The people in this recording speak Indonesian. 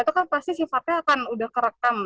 itu kan pasti sifatnya akan udah kerekam